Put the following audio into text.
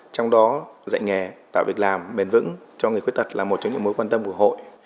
trong đó dạy nghề tạo việc làm bền vững cho người khuyết tật là một trong những mối quan tâm của hội